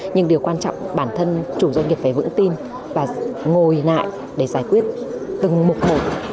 nhưng điều quan trọng bản thân chủ doanh nghiệp phải vững tin và ngồi lại để giải quyết từng mục một